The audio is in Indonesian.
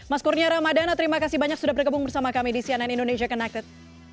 mas kurnia ramadana terima kasih banyak sudah bergabung bersama kami di cnn indonesia connected